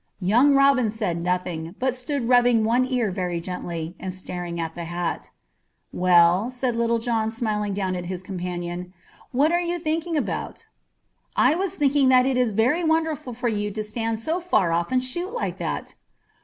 Young Robin said nothing, but stood rubbing one ear very gently, and staring at the hat. "Well," said Little John, smiling down at his companion, "what are you thinking about?" "I was thinking that it is very wonderful for you to stand so far off and shoot like that."